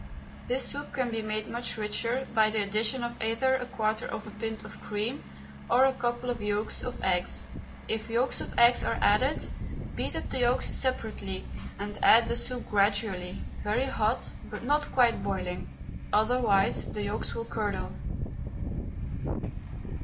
This soup can be made much richer by the addition of either a quarter of a pint of cream or a couple of yolks of eggs. If yolks of eggs are added, beat up the yolks separately and add the soup gradually, very hot, but not quite boiling, otherwise the yolks will curdle.